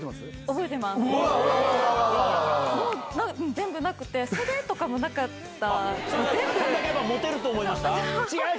全部なくて袖とかもなかった。